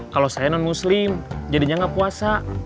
kalau saya non muslim jadinya nggak puasa